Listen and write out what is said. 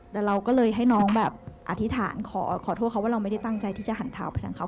แต่เราก็เลยให้น้องแบบอธิษฐานขอโทษเขาว่าเราไม่ได้ตั้งใจที่จะหันเท้าไปทางเขา